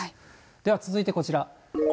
では続いてこちら。